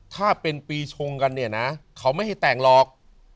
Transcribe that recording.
ถ้าเป็นปีชงกันเนี่ยนะเขาไม่ให้แต่งหรอก